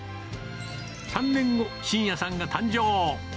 ３年後、真也さんが誕生。